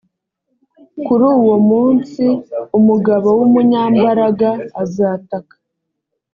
kuri uwo munsi umugabo w’umunyambaraga azataka